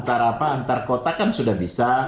antar kota kan sudah bisa